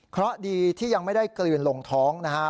เพราะดีที่ยังไม่ได้กลืนลงท้องนะฮะ